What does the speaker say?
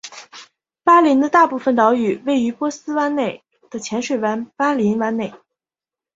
巴林的大部分岛屿位于波斯湾内的浅水湾巴林湾内。